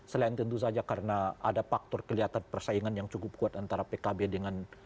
selain tentu saja karena ada faktor kelihatan persaingan yang cukup kuat antara pkb dengan